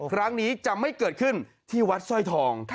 ครั้งนี้จะไม่เกิดขึ้นที่วัดสร้อยทอง